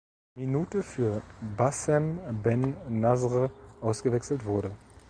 Minute für Bassem Ben Nasr ausgewechselt wurde.